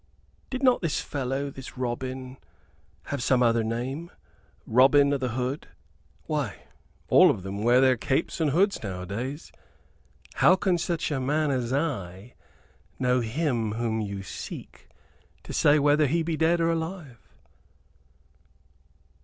"Did not this fellow, this Robin, have other name? Robin o' th' Hood why, all of them wear their capes and hoods nowadays how can such a man as I know him whom you seek, to say whether he be dead or alive?"